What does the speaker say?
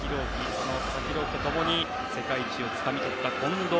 その佐々木朗希と共に世界一をつかみ取った近藤。